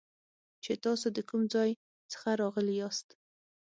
چې تاسو د کوم ځای څخه راغلي یاست